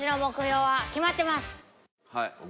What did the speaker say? はい。